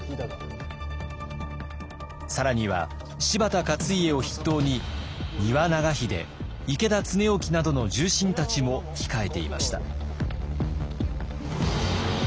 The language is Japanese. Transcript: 更には柴田勝家を筆頭に丹羽長秀池田恒興などの重臣たちも控えていました。